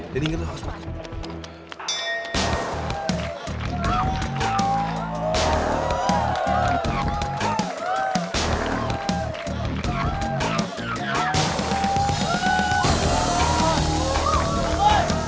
jadi inget lo harus bagus